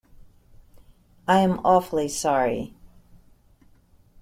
I am awfully sorry.